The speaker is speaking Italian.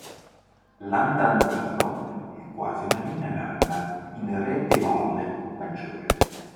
L'Andantino è quasi una ninna nanna in Re bemolle maggiore.